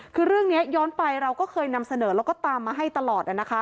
คือเรื่องนี้ย้อนไปเราก็เคยนำเสนอแล้วก็ตามมาให้ตลอด